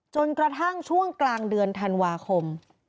จนกระทั่งช่วงกลางเดือนธันวาคม